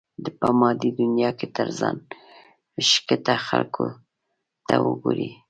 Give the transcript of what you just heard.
په مادي دنيا کې تر ځان ښکته خلکو ته وګورئ.